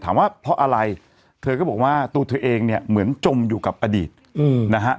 ว่าเพราะอะไรเธอก็บอกว่าตัวเธอเองเนี่ยเหมือนจมอยู่กับอดีตนะฮะ